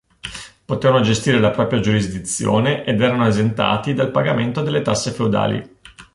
Potevano gestire la propria giurisdizione ed erano esentati dal pagamento delle tasse feudali.